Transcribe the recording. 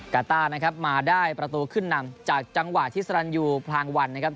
กาต้านะครับมาได้ประตูขึ้นนำจากจังหวะที่สรรยูพลางวันนะครับ